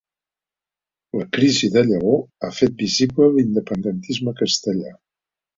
La crisi de Lleó ha fet visible l'independentisme castellà